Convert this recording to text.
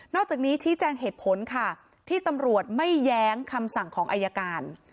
อกจากนี้ชี้แจงเหตุผลค่ะที่ตำรวจไม่แย้งคำสั่งของอายการ